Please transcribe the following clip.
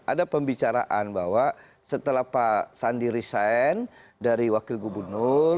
ada pembicaraan bahwa setelah pak sandi resign dari wakil gubernur